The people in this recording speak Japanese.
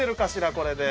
これで。